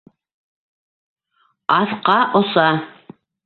Аҫҡа оса!